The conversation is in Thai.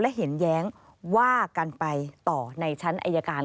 และเห็นแย้งว่ากันไปต่อในชั้นอายการ